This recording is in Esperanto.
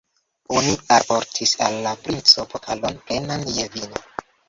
Oni alportis al la princo pokalon, plenan je vino.